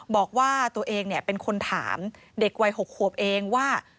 บอกว่าตัวเองเป็นคนถามเด็กวัย๖ขวบเองว่า